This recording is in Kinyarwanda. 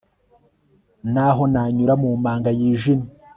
n'aho nanyura mu manga yijimye